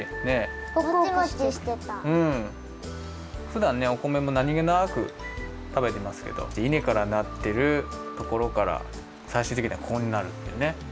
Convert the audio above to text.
ふだんねお米もなにげなく食べてますけどいねからなってるところからさいしゅうてきにはこうなるっていうね。